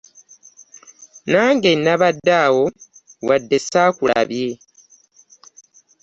Nange nabadde awo wadde saakulabye.